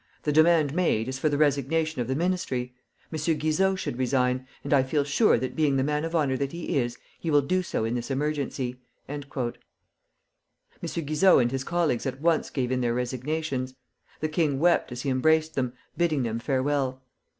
The demand made is for the resignation of the Ministry. M. Guizot should resign, and I feel sure that being the man of honor that he is, he will do so in this emergency." M. Guizot and his colleagues at once gave in their resignations. The king wept as he embraced them, bidding them farewell.